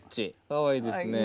かわいいですね。